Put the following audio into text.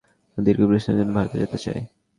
আমি দীর্ঘ বিশ্রামের জন্য ভারতে যেতে চাই।